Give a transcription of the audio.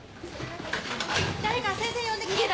誰か先生呼んできて。